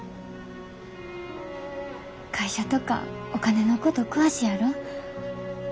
会社とかお金のこと詳しいやろ。